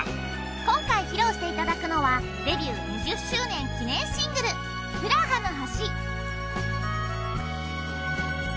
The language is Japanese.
今回披露していただくのはデビュー２０周年記念シングル『プラハの橋』。